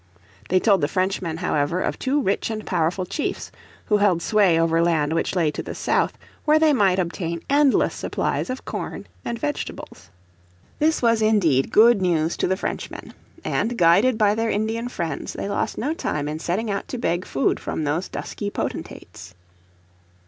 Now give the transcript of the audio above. They told the Frenchmen, however, of two rich and powerful chiefs who held sway over land which lay to the south, where they might obtain endless supplies of corn and vegetables. This was indeed good news to the Frenchmen. And guided by their Indian friends they lost no time in setting out to beg food from those dusky potentates.